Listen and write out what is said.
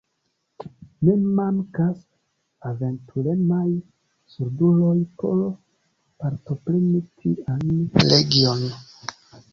Ne mankas aventuremaj solduloj por partopreni tian legion.